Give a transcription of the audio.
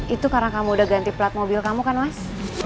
itu karena kamu udah ganti plat mobil kamu kan mas